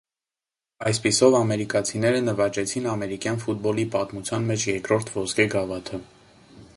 Այսպիսով, ամերիկացիները նվաճեցին ամերիկյան ֆուտբոլի պատմության մեջ երկրորդ «ոսկե գավաթը»։